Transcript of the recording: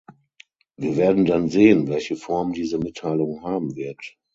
Wir werden dann sehen, welche Form diese Mitteilung haben wird.